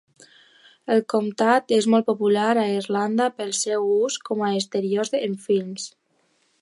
El comtat és molt popular a Irlanda pel seu ús com a exteriors en films.